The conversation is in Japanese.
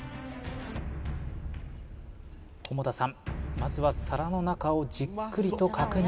まずは皿の中をじっくりと確認